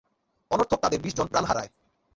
অনর্থক তাদের বিশজন প্রাণ হারায়।